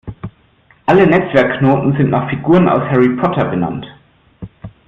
Alle Netzwerkknoten sind nach Figuren aus Harry Potter benannt.